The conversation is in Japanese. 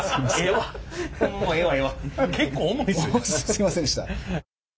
すいませんでした。